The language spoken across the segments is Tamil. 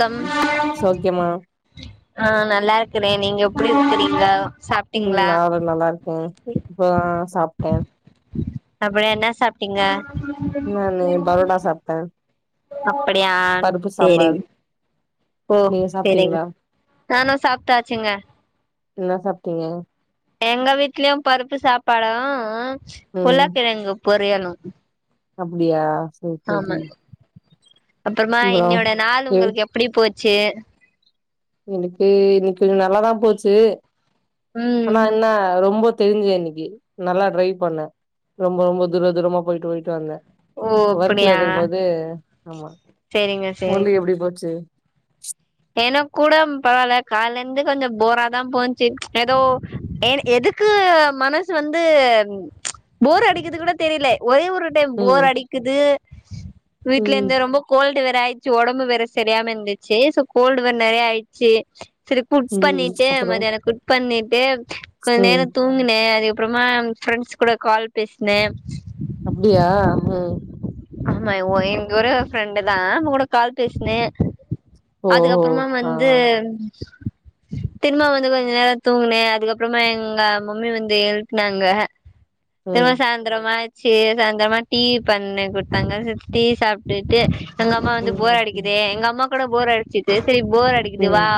கம் சௌக்கியமா ஆ நல்லா இருக்குறே நீங்க எப்டி இருக்குறீங்கோ ம் நானு நல்லா இருக்கே இப்ப தா சாப்ட்டே அப்புறோ என்ன சாப்ட்டீங்க நானு பரோட்டா சாப்ட்டே அப்படியா பருப்பு சாம்பார் சேரிங் ஓ நீங்க சேரிங் சாப்ட்டீங்களா நானு சாப்ட்டாச்சுங்க என்னா சாப்ட்டீங்க எங்க வீட்லயு பருப்பு சாப்பாடு ம் உருளக்கெழங்கு பொரியலு அப்டியா சரி சரி ஆமாங் அப்பறமா அப்றோ இன்னையோட நாள் எ உங்களுக்கு எப்டி போச்சு எனக்கு இன்னைக்கு கொஞ்ச நல்லாதா போச்சு ஆனா ம் என்ன ரொம்ப தெரிஞ்சது இன்னைக்கி நல்லா ட்ரைவ் பண்ணே ரொம்ப ரொம்ப தூர தூரமா போயிட்டு போயிட்டு வந்தே ஓ ஒர்க்ல அப்படியா இருக்கும் போது ஆமா சேரிங்க உங்களுக்கு எப்டி போச்சு எனக்கூடம் பரவால்ல கால்லருந்து கொஞ்ச போரா தா போன்ச்சு எதோ ஏனு எதுக் கு மனசு வந்து போர் அடிக்கறது கூட தெரில ஒரே ஒரு டைம் ம் போர் அடிக்குது ம் வீட்லருந்து ரொம்ப கோல்டு வேற ஆயிர்ச்சு ஒடம்பு வேற செரியாம இருந்துச்சு சோ கோல்டு வேற நெறைய ஆயிர்ச்சு செரி குக் ம் பண்ணிட்டு அப்றோ மத்தியான குக் பண்ணிட்டு கொஞ்ச நேர ம் தூங்குனே அதுக்கப்பறமா ஃப்ரெண்ட்ஸ் கூட கால் பேசுனே அப்டியா ம் ஆமா ஒ எங் ஒரே ஒரு ஃப்ரெண்டு தா அவ கூட கால் பேசுனே ஓஹோ அதுக்கப்பறமா ஆ வந்து திரும்ம வந்து கொஞ்ச நேர தூங்குனே அதுக்கப்பறமா எங்க மம்மி வந்து எழுப்புனாங்க ஆ திரும்ப ம் சாந் ந்திராமாச்சு சாய்ந்திரமா டீ பன்னு குடுத்தாங்க சேரி டீ சாப்ட்டுட்டு எங்க அம்மா வந்து ம் போர் அப்டியா அடிக்கிதே எங்க அம்மா கூட போர் அடிச்சிட்டு செரி போர் அட் அடிக்குது வா ம்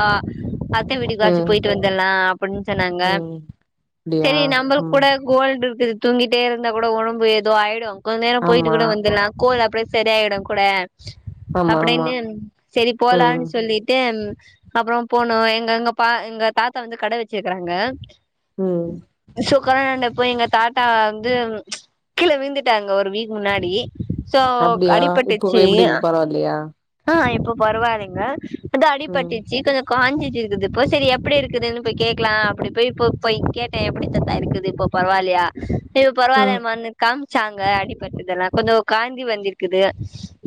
அத்த ம் வீடுக்காச்சு ம் போயிட்டு வந்துர்லா அப்டின் சொன்னாங்க அப்டியா சரி நம்மளுக்கு ம் கூட கோல்டு இருக்குது தூங்கிட்டே இருந்தா கூட ஒடம்பு எதோ ஆயிடு கொஞ்ச நேர போயிட்டு ஆமா கூட வந்துர்லா கோல்டு அப்டியே செரியாயிடு கூட ஆமா ஆமா அப்டின்னு சேரி போலான் ம் சொல்லிட்டு அப்பற போனோ எங்க எங்க பா எங்க தாத்தா வந்து கட வெச்சிருக்குறாங்க ம் சோ காராண்டா போய் எங்க தாத்தா வந்து கீழே விழ்ந்துட்டாருங்க ஒரு வீலு முன்னாடி சோ அப்டியா இப்போ அடிபட்டுட்ச்சு எப்டி பரவால்லையா ஆ இப்போ பரவால்லைங்க அதா ம் அடிபட்டுட்ச்சு கொஞ்ச காஞ்சிட்டு இருக்குது இப்போ சேரி எப்டி இருக்குதுன்னு போய் கேக்கலா அப்டி போய் இப்ப போய் கேட்டே எப்டி தாத்தா இருக்குது இப்போ பரவால்லையா இப்ப ம் பரவால்லையாமான்னு காம்ச்சாங்க அடிப்பட்டதெல்லா கொஞ்ச காந்சி வந்திருக்குது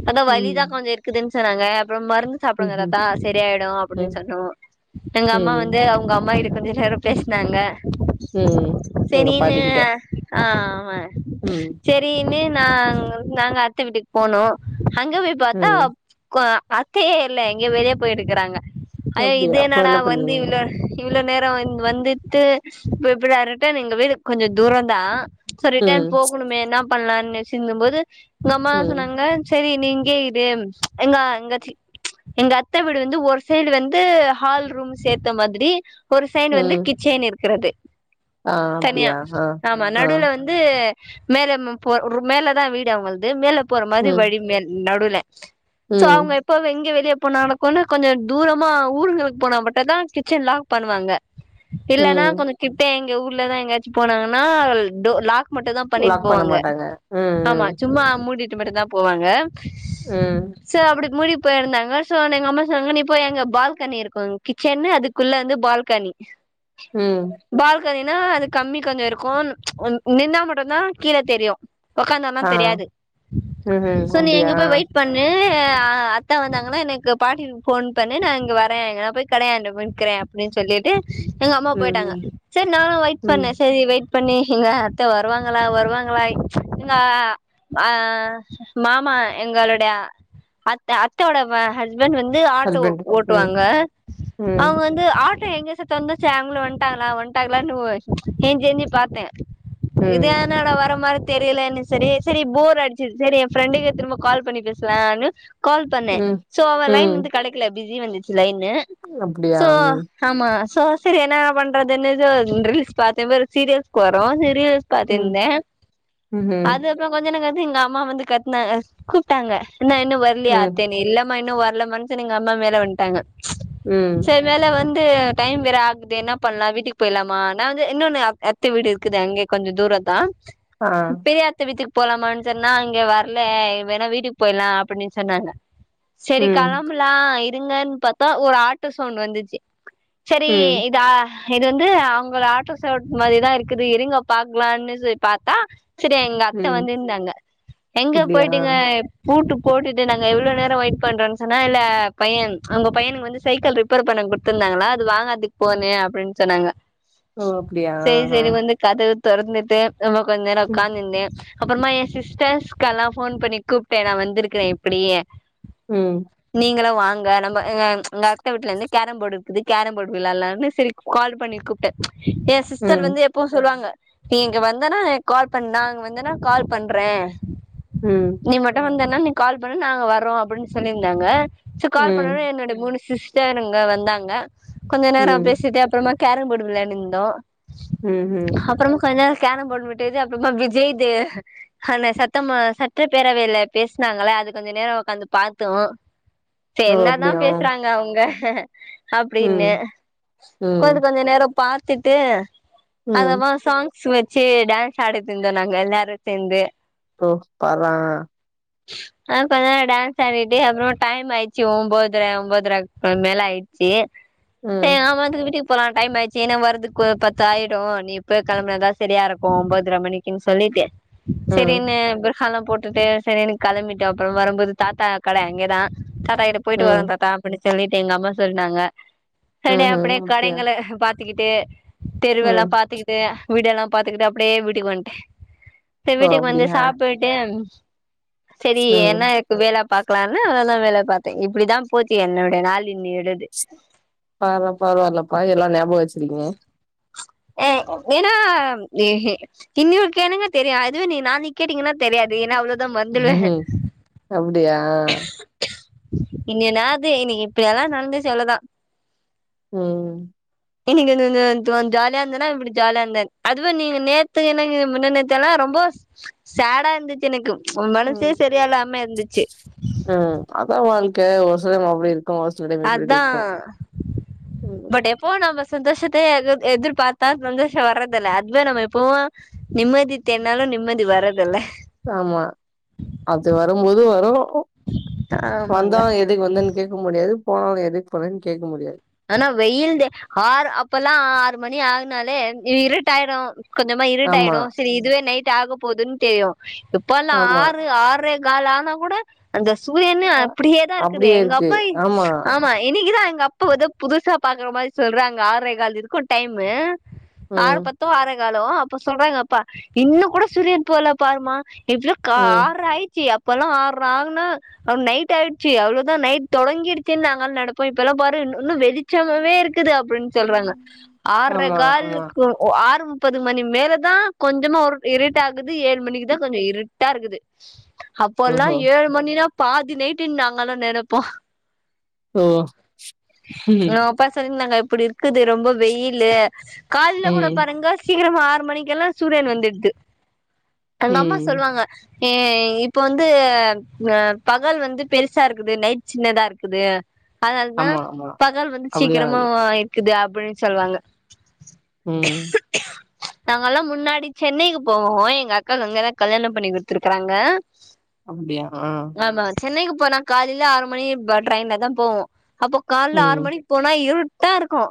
அதா ம் வலிதா கொஞ்ச இருக்குதுன் சொன்னாங்க அப்பற மருந்து ம் ம் அ செரியாயிடு அப்டின்னு சொன்னோ எங்க அம்மா ம் வந்து அவுங்க அம்மா கிட்ட கொஞ்ச நேர பேசுனாங்க ம் சேர் எங்க நீனு பாட்டிக்கிட்ட ஆ ஆமா ம் சேன்னு நாங்கள் நாங்க அத்த வீட்டுக்கு போனோ அங்க போய் பாத்தா ம் கோ அத்தயே இல்ல எங்கயோ வெளியே போயிருக்குறாங்க ஐயோ அப்டியா இது அப்றோ என்னடா என்ன வந்து பண்ணீங்க இவ்ளோ இவ்ளோ நேர வந் வந்துட்டு எப்புட்றா ரிட்டன் எங்க வீடு கொஞ்ச தூரந்தா சோ ம் ரிட்டர்ன் போகுணுமே என்ன பண்லான் நெனச்சிருந்தும் போது உங்க அம்மா தா ம் சொன்னாங்க செரி நீ இங்கே இரு எங்கா இங்கச் சீ எங்க அத்த வீடு வந்து ஒரு சைடு வந்து ஹால் ரூம் சேத்த மாதிரி ஒரு சைடு வந்து ம் கிச்சன் இருக்கிறது ஆ தனியா அப்டியா ஆ ஆமா ஆ நடுவுல வந் து மேல மு போற் மேலதா வீடு அவ்ங்கள்து மேல போற மாரி ம் வழி மே நடுவ்ல சோ அவ்ங்க ம் எப்பவு எங்க வெளியப் இப்பொ நாளக்கொன்னு கொஞ்சோ தூரமா ஊர்களுக் போனா மட்டுந்தா கிச்சன் லாக் பண்ணுவாங்க இல்லனா ம் கொஞ்சோ கிட்ட எங்க ஊர்லதா எங்கயாச்சு போனாங்கனா டோ லாக் மட்டுதா பண்ணிட் லாக் பண்ண போவாங்க மாட்டாங்க ம் ஆமா ம் சும்மா மூடிட்டு மட்டுந்தா போவாங்க உம் சே அப்டி மூடிப் போயிருந்தாங்க சோன எங்க அம்மா சொன்னாங்க நீ போய் அங்க பால்கனி இருக்கு கிச்சன்னு அதுக்குள்ள வந்து பால்கனி ம் பால்கனினா அது கம்பி கொஞ்சோ இருக்கு ஒன் நின்னா மட்டுந்தா கீழ தெரியு ஒக்காந்தோனா ஆ தெரியாது ம்ஹும் சோ நீ அங்க அப்டியா போய் வெய்ட் பண்ணூ அ அத்த வந்தாங்கனா எனைக் இங்க பாட்டிக் போன் பண்ணு நா இங்க வரே எங்கனா போய் கடயாண்ட போய் நிக்கறே அப்டின் சொல்லிட்டு எங்க அம்மா ம் போயிட்டாங்க ம் சர் நானு வெயிட் ம் பண்ணே சரி வெயிட் பண்ணி எங்க அத்த வருவாங்களா வருவாங்களாய் எங்கா ஆ மாமா எங்களுடைய அத்த அத்தவோட வ ஹஸ் ஸ்பண்ட் வந்து ஆட்டோ ஹஸ்பண்ட் ம் ஓட்டுவாங்க ம் அவங்க வந் து ஆட்டோ எங்க சத்தோ வந்துச்ச அவங்களு வந்ட்டாங்களா வந்ட்டாங்களானு ஓ ஏந்ச்சி ஏந்ச்சி பாத்தே இது ம் என்னடா வர மாரி தெரியலேனு செரி செரி போர் அடிச்சுர்சேனு ஏ ஃபிரெண்டுக்கே திரும்ப கால் பண்ணி பேசலானு கால் பண்ணே ம் சோ அவ லைன் ம் வந்து கெடைக்கல பிஸி வந்துச்சி லைனு அப்டியா சோ ம் ஆமா சோ செரி என்ன பண்றதுன்னு சோ ரீல்ஸ் பாத்தே பெரு சீரியல்ஸ்கு வரூ செரீல்ஸ் ம் பாத்துட்ந்தே ம்ஹ்ம் அது அப்றோ கொஞ்ச நே கழிச்சி எங்க அம்மா வந்து கத்னாங்க கூப்டாங்க என்னா இன்னு வர்லையா ம் அத்தேனு இல்ல மா இன்னு வரலமானு சொன்ன எங்க அம்மா மேல வந்ட்டாங்க ம் சரி மேல வந்து டைம் வேற ஆகுது என்ன பண்லா வீட்டுக்கு பொய்ர்லாமா நா வந்து இன்னொன்னு அ அத் த வீடு இருக்குது அங்கயே கொஞ்சோ தூரோந்தா ஆ பெரிய அத்த வீட்டுக்கு போலாமான் சொன்னா அங்க வரல வேணா வீட்டுக்கு போய்ரலா அப்படின் சொன்னாங்க சரி ம் கெளம்பலா இருங்கன் பாத்தா ஒரு ஆட்டோ சவுண்ட் வந்துச்சி சரி ம் இதா இது வந்து அவங்கள ஆட்டோ சவுண்ட் மாரிதா இருக்குது இருங்க பாக்லானு சொய் பாத்தா சரி எங்க அத்த ம் வந்துர்ந்தாங்க எங்க அப்டியா போயிட்டீங்க பூட்டு போட்டுட்டு நாங்க இவ்ளோ நேரோ வெய்ட் பண்றன் சொன்னா இல்ல பையன் அவங்க பையனுக்கு வந்து சைக்கிள் ரிப்பேர் பண்ணக் குடுத்துருந்தாங்களா அது வாங்கற்துக் போனே அப்டின் சொன்னாங்க ஓ அப்டியா செரி ஆ செரி வந்து கதவு தொறந்துட்டு அப்லோ கொஞ்ச நேரோ ம் ஒக்காந்துருந்து அப்பறமா ஏ சிஸ்டர்ஸ்க்கெல்லா போன் பண்ணி கூப்டே நா வந்துருக்குறே இப்பிடி ம் நீங்களு வாங்க நம்ம அ எங்க அத்த வீட்ல வந்து கேரம்போர்ட் இருக்குது கேரம்போர்டு விளாட்லானு செரி கால் பண்ணி கூப்டே ஏ சிஸ்டர் ம் வந்து எப்பவு சொல்வாங்க நீ இங்க வந்தனா எனக் கால் பண் நா அங்க வந்தனா கால் பண்றே ம் நீ மட்டு வந்தேனா நீ கால் பண்ணு நாங்க வர்றோ அப்புட்னு சொல்லிருந்தாங்க சோ கால் பண்ணொடனே ம் என்னோட மூணு சிஸ் டருங்க வந்தாங்க கொஞ்சொ நேரோ ம் பேசிட்டு அப்றமா கேரம் போர்டு விளையாடிந்தோ ம்ஹ்ம் அப்பறமா கொஞ்ச நேரோ கேரம் போர்டு விட்டைது அப்றமா விஜய்து ஆன சத்தமா சட்டப்பேரவையில பேசுனாங்கள அது கொஞ்சொ நேரோ ஒக்காந்து பாத்தோ சேர் ஓ என்னாதா அப்டியா பேசுறாங்க அவங்க ம் அப்டின்னு ம் கொஞ்ச கொஞ்ச நேரோ பாத்துட்டு ம் அப்றமா சாங் ஸ் வெச்சு டான்ஸ் ஆடிட்டுருந்தோ நாங்க எல்லாரு சேந்து ஓ பார்ற ஆ கொஞ்ச நேரொ டான்ஸ் ஆடிட்டு அப்றமா டைம் ஆயிடுச்சு ஒம்போதர ஒம்போதரக் மேல ஆயிடுச்சு செ ம் ஆமாதுக்கு விட்டுக் போலா டைம் ஆயிடுச்சு ஏனா வரதுக்கு பத்து ஆயிடு நீ இப்பவே கெளம்புனாதா சரியாருக்கு ஒம்போதர மணிக்குன் சொல்லிட்டு ம் செரினு புர்ஹாலா போட்டுட்டு செரின்னு கெளம்பிட்டோ அப்றோ வரும்போது தாத்தா கட அங்கேதா தாத்தா கிட்ட போயிட்டு வரோ ம் தாத்தா அப்டி சொல்லிட்டு எங்க அம்மா சொல்னாங்க அடே ம்ஹ்ம் அப்டியே அப்டியா கடைங்கள பாத்துக்கிட்டு தெருவெல்லா ம் பாத்துக்கிட்டு வீடெல்லா பாத்துக்கிட்டு அப்டியே வீட்டுக்கு வந்ட்டே செரி ஓ வீட்டுக்கு வந்து அப்டியா சாப்புட்டு செரி என்ன ம் க்கு வேல பாக்கலானு அதல்லா வேல பாத்த இப்டிதா போச்சி என்னோடைய நாள் இன்னியோடது பராவால பரவாலப்பா எல்லா நியாபகம் வச்சுரிங்க ஏ ஏனா இன்னியோது கேளுங்க தெரியு அதுவே நீ நாளைக்கு கேட்டீங்கன்னா தெரியாது ஏனா அவ்ளோதா மறந்துடுவே அப்டியா இனிக் என்னாது இன்னிக்கு இப்படியெல்லா நடந்து சொல்லதா ம் இன்னிக்கு னு னு ந்து ஜாலியா இருந்தேன்னா இப்டி ஜாலியா இருந்தே அதுவு நீங்க நேத்து என்னக் முந்தா நேத்தெல்லா ரொம்போ சேடா இருந்துச்சு எனக்கு உ மனசே ம் சரியா இல்லாம இருந்துச்சு ம் அதா வாழ்க்க ஒரு சிலமே அப்டி இருக் கு ஒரு சில டைம் அதா இப்டிருக்கு ம் இப்போ நம்ம சந்தோஷத்தே எதிர் எதிர்பார்த்தா சந்தோஷொ வர்றதுல்ல அதுவே நம்ம எப்பவு நிம்மதி தேடுனாலு நிம்மதி வரதுல்ல ஆமா அது வரும்போது வரு ஆமாங்க வந்தா எ எதுக்கு வந்தேன் கேக்க முடியாது போனாலு எதுக்கு போனேன்னு கேக்க முடியாது ஆனா வெயில்ந்த ஆறு அப்பல்லா ஆறு மணி ஆகுனாலே இ இருட்டாயிடு கொஞ்சமா ஆமா இருட்டாயிடு சரி இதுவே நைட் ஆக போதுன் தெரியு இப்பல்லா ஆமா ஆறு ஆறே கால் ஆனா கூட அந்த சூரியன் அ அப்டியேதா இருக்குது அப்டியே எங்க இருக்கு அப்பா எங் ஆமா ஆ ஆமா இன்னிக்குதா எங்க அப்பா எதோ புதுசா பாக்குற மாரி சொல்றாங்க ஆறே கால் இருக்கு டைமு ஆறு ம் பத்தோ ஆறே காலோ அப்ப சொல்றாங்க அப்பா இன்னு கூட சூரியன் போல பாருமா இப்பல்லா க ம் ஆறு ஆயிடுச்சு அப்பல்லா ஆறு ஆகுன்னா அவ் நைட் ஆயிடுச்சு அவ்ளோதா நைட் தொடங்கிடுச்சுன் நாங்க நெனப்போம் இப்பெல்லாம் பா த்தா இன்னு இன்னு வெளிச்சமாவே இருக்குது அப்டின்னு சொல்றாங்க ஆற்ரே ஆமா ஆமா காலுக்கு ஒ ஒ ஆறு முப் பது மணி மேலதா கொஞ்சமா ஒரு இருட்டாகுது ஏழு மணிக்கு தா கொஞ்சொ இருட்டா இருக்குது அப்போல்லா ஓஹோ ஏழு மணினா பாதி நைட்டுன்னு நாங்கல்லா நெனப்போ ஓ எ அப்ப சொல்லிருந்தாங்க இப்படி இருக்குது ரொம்ப வெயிலு கால்ல கூட ம் பாருங்க சீக்கிரமா ஆறு மணிக்கெல்லா சூரியன் வந்துடுது எங்க அம்மா ம் சொல்லுவாங்க ஏ இப்போ வந்து அ பகல் வந்து பெருசா இருக்குது நைட் சின்னதா இருக்குது அதனாலதா ஆமா ஆமா பகல் வந்து அப்டிதா சீக்கிரமா அது ஒ இக்குது அப்டின்னு சொல்லுவாங்க ம் [unintelligible] நாங்கல்லா முன்னாடி சென்னைக்கு போவோ எங்க அக்காக் அங்கதா கல்யாணம் பண்ணி குடுத்துருக்குறாங்க அப்டியா ஆம்மா சென்னைக்கு போன்னா காலியில ஆறு மணிக்பா ட்ரெயின்லதா போவு கால்ல ம், ஆறுமணிக் போனா இருட்டாருக்கு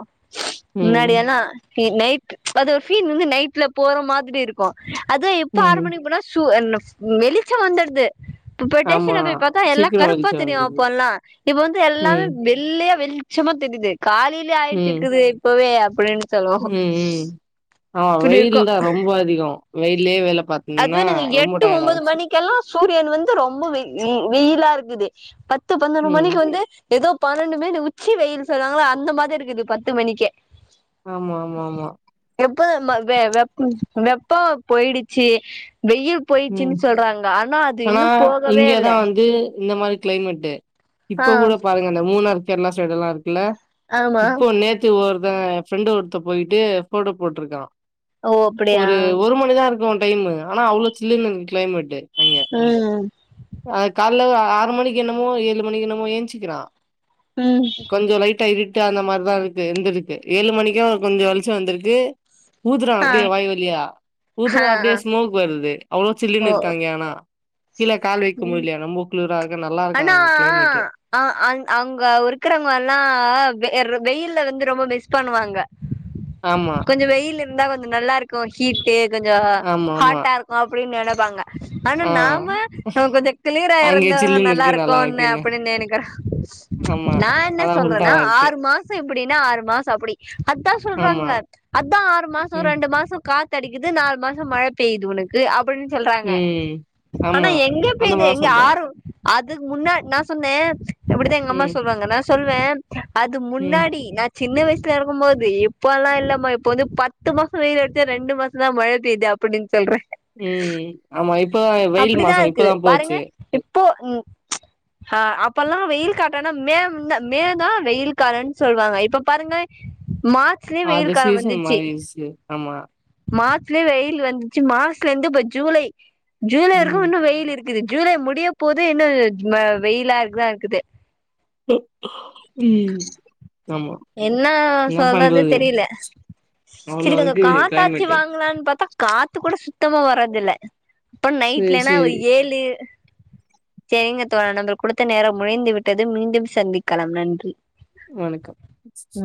ம், முன்னாடியெல்லா டி நைட் அது ஒரு ஃபீன் வந்து நைட்ல போற மாதிரி இருக்கு அது இப்ப ஆறு ம். மணிக்போனா சு என் ம் வெளிச்சொ வந்துட்து இப்ப ஆமா. டேஷன்ல போய் பாத்தா எல்லா சீக்கிரம் கருப்பா வெளிச்சம் தெரியு வந்தது. அப்ப அல்லா இப்பவந்து எல்லாமே ம், வெளி ல்லையா வெள்ச்சமா தெரிது காலையிலயே ம், ஆயிட்டுருக்குது இப்பவே அப்டின்னு சொல்லு ஆ வெயில்தா ரொம்போ அதிகொ வெயில்லே வேல பாத் அத்வே நீங்க எட்டு ஒம்போது மணிக்கெல்லா சூரியன் வந்து ரொம்ப வெயி வெயிலாருக்குது பத்து பன்னொறு ம். மணிக்கு வந்து எதோ பன்னெண்டு மெணி உச்சி வெயில் சொல்வாங்களா அந்த மாதிரிருக்குது பத்து மணிக்கே ஆம்மா ஆம்மா ஆம்மா எப்ப நம்ம வெ வெப் வெப்ப போய்டிச்சு வெயில் ம். பொயிச்சின் சொல்றாங்க அன்னா அது இன்னும் போகவே இல்ல து இந்த மாரி கிளைமேட்டு ஆ இப்ப கூட பாருங்க இந்த மூணாறு கேர்ளா சைடுஎல்லா இருக்குல்ல ஆமா இப்போ நேத் து ஒர்த்தங்க பிரெண்டு ஒருத்த பொயிட்டு ஃபோட்டோ போட்ருக்கா ஓ அப்டியா ஒரு ஒரு மணிதா இருக் கூ டைமு ஆனா அவ்ளோ சில்லுன்னு இருந் கிளைமெட்டு ம் அது கால்ல ஆறு மணிக் என்னமோ ஏழுமணிக் என்னமோ ஏஞ்சுக்கிறா ம் கொஞ்சொ லைட்டா இருட் கு அந்த மார்தா இருக்கு இருந்துருக்கு ஏழு மணிக்கே கொஞ்சொ வெள்ச்ச வந்துர்க்கு ஊதுறா ஆ அப்டே வாய்வலியா ஊதுனா ஆ அப்டே ஸ்மோக் வருது அவ்ளோ ஓ சில்லன்னுருக்கு அங்கே ஆனா கீழ கால்வெக்க ம் முடில ரொம்பொ குளூர்ரா இருக்கா நல்லாருக்காங் கிளைமெட்டு அ அங் அங்க இருக்குறவங்க எல்லா வெ எர் வெயில்ல வந்து ரொம்ப மிஸ் பண்ணுவாங்க ஆமா கொஞ்சொ வெயில் இர்ந்தா கொஞ்சொ நல்லாருக்கு ஹீட்டு கொஞ்சொ ஆமா ஆமா ஹாட்டார்க் அப்டின் நெனப்பாங்க ஆன்னா ஆ நாம்ம அவ கொஞ்சொ கிளீரா அங்கே இருந்தா சில்லுன்னு இருக்கு நல்லா நல்லாருக்குன் இருக்குன்னு அப்புடின்னு நெனைக்கிற் ஆமா நான் என்ன அதா சொல்றன்னா உல்டாவா இருக்கு ஆறு மா இப்புடின்னா ஆறு மாச அப்புடி அத்தா ஆமா சொல்றாங்க அத்தா ஆறு மாசொ ம் ரெண்டு மாசொ காத் த்அடிக்குது நாலுமாசொ மழை பெயுது உனக்கு அப்படின் சொல்றாங்க ம் ஆன்னா ஆமா எங் அந்த பேயுது மாரிதா எங்க சொல்றாங்க ஆறு அதுக் முன்னா நா சொன்னே அப்புடிதெ எங்க அம்மா ம் சொல்றாங்கனா சொல்றே அது ம் முன்னாடி நா சின்ன வைசுல இருக்கும்மோது இப்பல்லா இல்லம்மா இப்ப வந்து பத்துமாச வெயில் அட்ச்சா ரெண்டுமாசந்தா மழைபெயுது அப் அப்புடின் சொல்ற ம் ஆம்மா இப்பதா வெயில்மாசொ ப் கிது பாருங்க இப்போ ம் ஹா அப்பல்லா வெயில் காட்டன்னா மே ந்த மே தா வெயில் காலன் சொல்லுவாங்க இப்பபாருங்க மாத் அது சீசன் மாரிர்ச்சு ஆம்மா மார்ச்லே வெயில் வந்துச்சு மாச்சிலேந்து இப்ப ஜூலை ஜூ ம் வெயில் இருக்குது ஜூலை முடியப்போது இன்னு ம வெயிலா இருக்குதா இர்க்குது ம் ஆமா என்னா என்ன சொல்றதுன் பண்றது தெரில அவ்ளோ சரிக்கா அந்த இருக்கு காத்தாச்சு கிளைமேட்டு வாங்கலான்னு பாத்தா காத்து கூட சுத்தமா வரதுல்ல அப்ப சேரி நைட்லன்னா சேரி ஏழு சேரிங்க தோழா நம்ம குடுத்த நேர முடிந்து விட்டது மீண்டும் சந்திக்கலா நன்றி வணக்கம்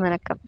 வணக்கம்